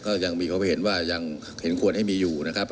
ก็ยังมีความเห็นว่ายังเห็นควรให้มีอยู่นะครับ